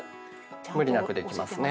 無理なくできますね。